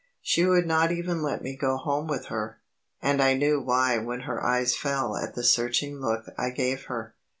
She would not even let me go home with her; and I knew why when her eyes fell at the searching look I gave her.